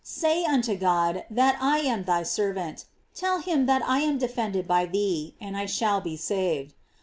Say unto God that I am thy servant, tell him that I am defended by thee, and I shall be saved.